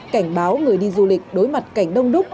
cảnh báo người đi du lịch đối mặt cảnh đông đúc